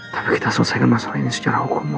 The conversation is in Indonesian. tapi kita selesaikan masalah ini secara hukum oke